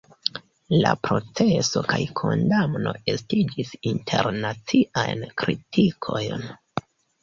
La proceso kaj kondamno estigis internaciajn kritikojn.